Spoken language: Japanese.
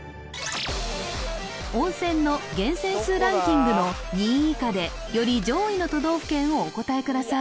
温泉の源泉数ランキングの２位以下でより上位の都道府県をお答えください